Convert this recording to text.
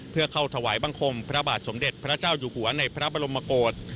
เพื่อเข้าถวายบังคมพระบาทสมเด็จพระเจ้าอยู่หัวในพระบรมโกศ